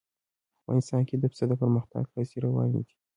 افغانستان کې د پسه د پرمختګ هڅې روانې دي.